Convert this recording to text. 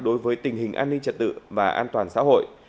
đối với tình hình an ninh trật tự và an toàn xã hội